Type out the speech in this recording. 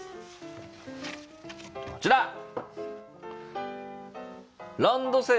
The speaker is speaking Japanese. こちら！